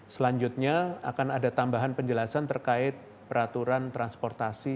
selanjutnya akan ada tambahan penjelasan terkait peraturan transportasi